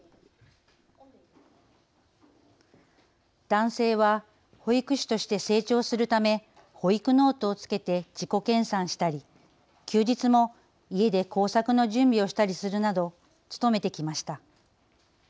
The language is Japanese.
男性は保育士として成長するため保育ノートをつけて自己研さんしたり、休日も家で工作の準備をしたりするなど努めてきました。